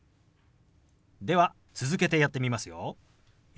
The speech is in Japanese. では続けてやってみますよ。